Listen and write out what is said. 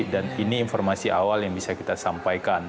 dan ini informasi awal yang bisa kita sampaikan